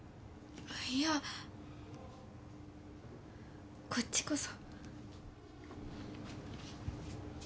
いやこっちこそ。